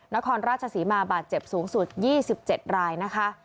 นครราชศรีมาบาดเจ็บสูงสุด๒๗รายนะคะ